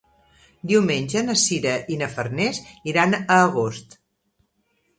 Diumenge na Sira i na Farners iran a Agost.